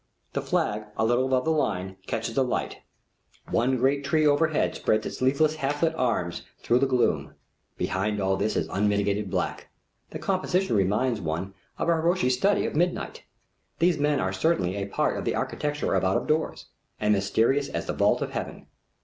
The flag, a little above the line, catches the light. One great tree overhead spreads its leafless half lit arms through the gloom. Behind all this is unmitigated black. The composition reminds one of a Hiroshige study of midnight. These men are certainly a part of the architecture of out of doors, and mysterious as the vault of Heaven.